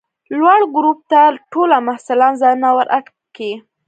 لوړ ګروپ ته ټوله محصلان ځانونه ور اډ کئ!